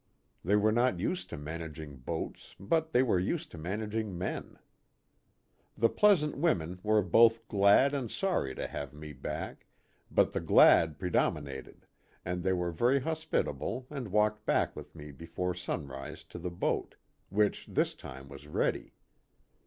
They were not used to managing boats but they were used to managing men. The pleasant women were both glad and sorry to have me back, but the glad predomina ted, and they were very hospitable and walked back with me before sunrise to the boat which this time was ready.